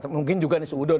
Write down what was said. mungkin juga ini seudon